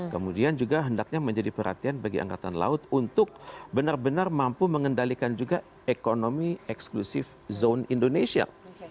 kemudian juga hendaknya menjadi perhatian bagi angkatan laut untuk benar benar mampu mengendalikan juga ekonomi eksklusif zone indonesia